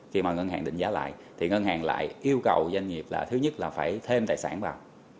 khi mà ngân hàng định giá lại thì ngân hàng lại yêu cầu doanh nghiệp là thứ nhất là phải thêm tài sản vào